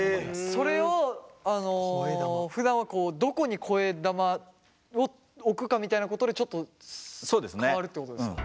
それをふだんはどこに声玉を置くかみたいなことでちょっと変わるってことですか？